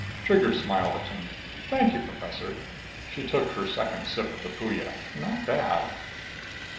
Trigger smiled at him. "Thank you, Professor!" She took her second sip of the Puya. Not bad.